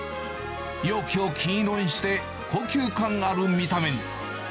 容器を金色にして、高級感ある見た目に。